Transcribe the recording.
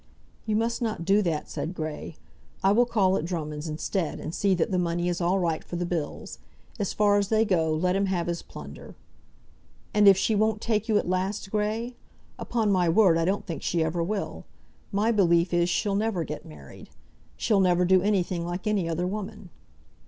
"You must not do that," said Grey. "I will call at Drummonds', instead, and see that the money is all right for the bills. As far as they go, let him have his plunder." "And if she won't take you, at last, Grey? Upon my word, I don't think she ever will. My belief is she'll never get married. She'll never do anything like any other woman."